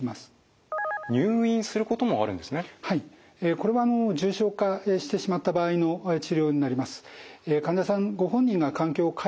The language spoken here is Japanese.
これは重症化してしまった場合の治療になります。